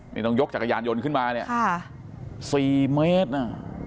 นี่ต้องยกจักรยานยนต์ขึ้นมาเนี่ย๔เมตรน่ะ